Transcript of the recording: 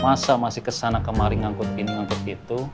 masa masih ke sana kemari ngangkut ini ngangkut itu